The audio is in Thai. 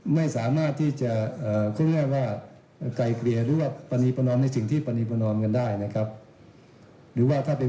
มันก็เข้าถึงกระบวนการพินาฮขององค์กรมธุระการอยู่แล้ว